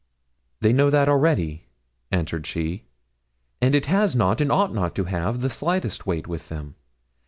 'They know that already,' answered she, 'and it has not, and ought not to have, the slightest weight with them.